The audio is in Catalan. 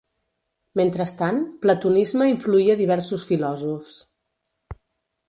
Mentrestant, Platonisme influïa diversos filòsofs.